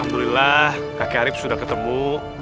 alhamdulillah kakek arief sudah ketemu